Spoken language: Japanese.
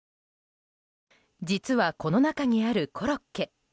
実は、この中にあるコロッケ。